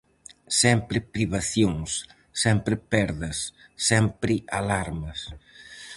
Sempre privacións, sempre perdas, sempre alarmas.